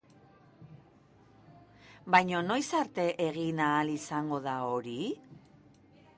Baina, noiz arte egin ahal izango da hori?